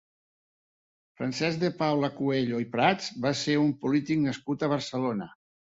Francesc de Paula Cuello i Prats va ser un polític nascut a Barcelona.